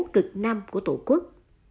cực nam của tổ quốc